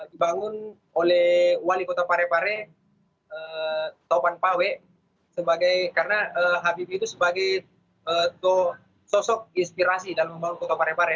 dibangun oleh wali kota parepare taupan pawe karena habibie itu sebagai sosok inspirasi dalam membangun kota parepare